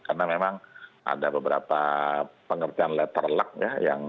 karena memang ada beberapa pengertian letter luck ya